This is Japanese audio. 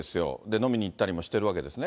飲みに行ったりもしてるわけですね。